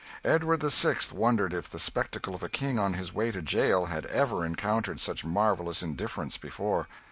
Edward the Sixth wondered if the spectacle of a king on his way to jail had ever encountered such marvellous indifference before.